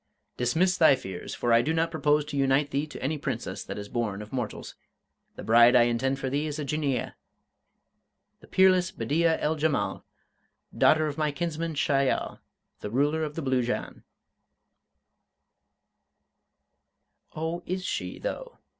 "Dismiss thy fears, for I do not propose to unite thee to any Princess that is born of mortals. The bride I intend for thee is a Jinneeyeh; the peerless Bedeea el Jemal, daughter of my kinsman Shahyal, the Ruler of the Blue Jann." "Oh, is she, though?"